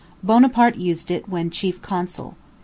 Bonaparte used it when chief consul.